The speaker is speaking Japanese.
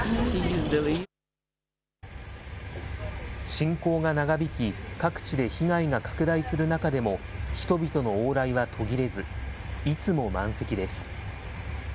侵攻が長引き、各地で被害が拡大する中でも、人々の往来は途切れず、いつも満席です。